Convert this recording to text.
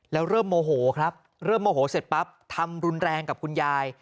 แล้วเริ่มโมโหครับเริ่มโมโหเสร็จปั๊บทำรุนแรงกับคุณยาย